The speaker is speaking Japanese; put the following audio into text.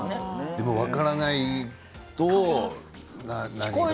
でも分からないと何が？と。